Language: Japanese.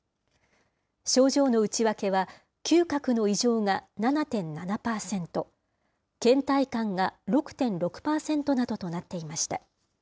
症状の内訳は、嗅覚の異常が７．７％、けん怠感が６．６％などとなっていました。